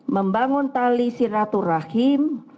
membangun tali siratu rahim